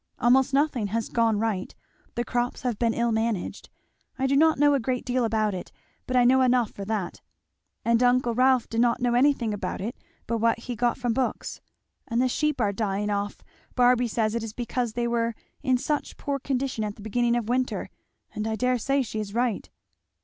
Almost nothing has gone right. The crops have been ill managed I do not know a great deal about it, but I know enough for that; and uncle Rolf did not know anything about it but what he got from books. And the sheep are dying off Barby says it is because they were in such poor condition at the beginning of winter, and I dare say she is right."